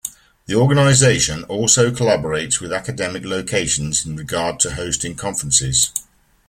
The organization also collaborates with academic locations in regard to hosting conferences.